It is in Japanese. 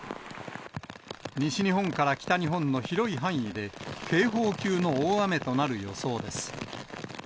西日本から北日本の広い範囲で警報級の大雨となる予想です。